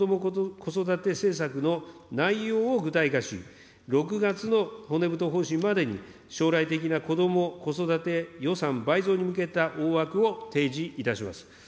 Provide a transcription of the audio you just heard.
子育て政策の内容を具体化し、６月の骨太方針までに将来的なこども子育て予算倍増に向けた大枠を提示いたします。